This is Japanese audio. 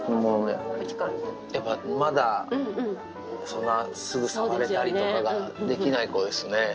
やっぱまだ、そんなすぐ触れたりとかができない子ですね。